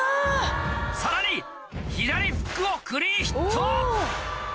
さらに左フックをクリーンヒット。